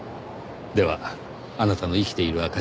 ではあなたの生きている